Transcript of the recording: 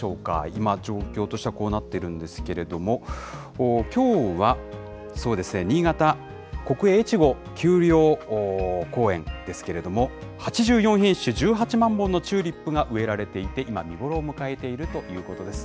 今、状況としてはこうなっているんですけれども、きょうは、そうですね、新潟・国営越後丘陵公園ですけれども、８４品種１８万本のチューリップが植えられていて、今、見頃を迎えているということです。